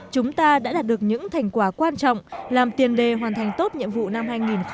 chúng ta đã đạt được những thành quả quan trọng làm tiền đề hoàn thành tốt nhiệm vụ năm hai nghìn hai mươi